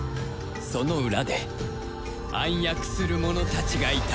その裏で暗躍する者たちがいたとさ